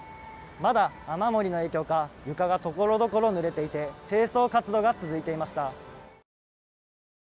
まだ、雨漏りの影響か床がところどころ濡れていて清掃活動が続いていました。